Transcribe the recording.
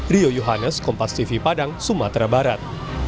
rio yohanes kompas tv padang sumatera barat